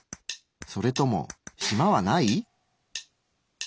それともしまはない？